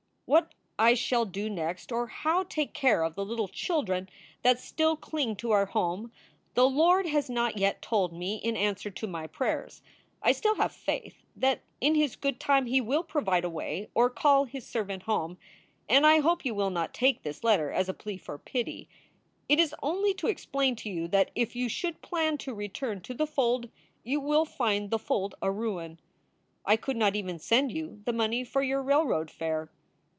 What I shall do next or how take care of the little children that SOULS FOR SALE 323 still cling to our home, the Lord has not yet told me in answer to my prayers. I still have faith that in his good time he will provide a way or call his servant home, and I hope you will not take this letter as a plea for pity. It is only to explain to you that if you should plan to return to the fold you will find the fold a ruin. I could not even send you the money for your railroad fare.